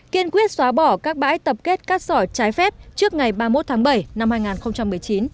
kiên quyết xóa bỏ các bãi tập kết cát sỏi trái phép trước ngày ba mươi một tháng bảy năm hai nghìn một mươi chín